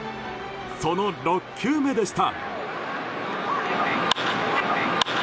その６球目でした。